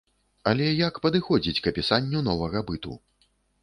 Але як падыходзіць к апісанню новага быту?